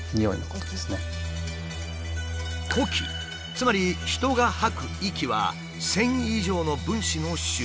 つまり人が吐く息は１，０００以上の分子の集合体。